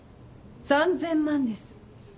３０００万です。